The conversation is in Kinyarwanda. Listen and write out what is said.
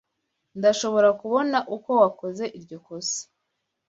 Ndashobora kubona uko wakoze iryo kosa.